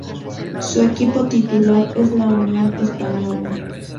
Su equipo titular es la Unión Española.